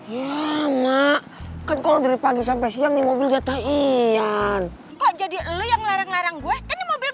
iya mah kan kalau dari pagi sampai siang mobil jatah iyan jadi lu yang larang larang gue mobil